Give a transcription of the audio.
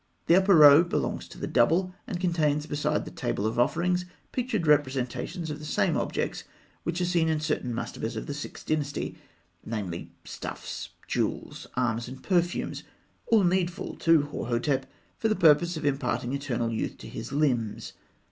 The upper row belongs to the Double, and contains, besides the table of offerings, pictured representations of the same objects which are seen in certain mastabas of the Sixth Dynasty; namely, stuffs, jewels, arms, and perfumes, all needful to Horhotep for the purpose of imparting eternal youth to his limbs.